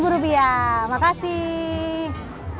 lima belas rupiah makasih